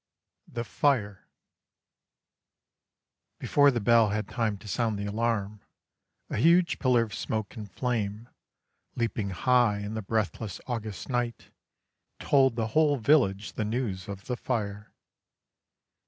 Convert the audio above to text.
THE FIRE Before the bell had time to sound the alarm a huge pillar of smoke and flame, leaping high in the breathless August night, told the whole village the news of the fire.